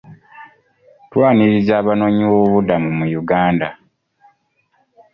Twaniriza Abanoonyiboobubudamu mu Uganda.